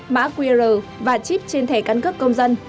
mã qr và chip trên thẻ căn cước công dân